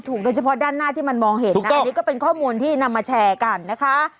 โดยเฉพาะด้านหน้าที่มันมองเห็นนะอันนี้ก็เป็นข้อมูลที่นำมาแชร์กันนะคะ